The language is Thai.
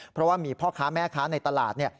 เพราะว่ามีพ่อค้าแม่ค้าในตลาด